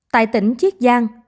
tại tỉnh chiết giang